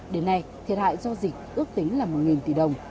đến nay thiệt hại do dịch ước tính là một tỷ đồng